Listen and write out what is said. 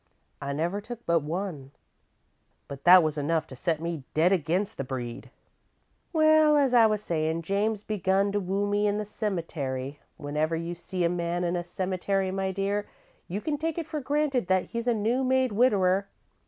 I never took but one, but that was enough to set me dead against the breed. "Well, as I was a sayin', James begun to woo me in the cemetery. Whenever you see a man in a cemetery, my dear, you can take it for granted that he's a new made widower.